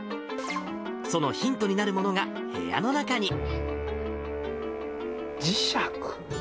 そのヒントになるものが、部屋の磁石。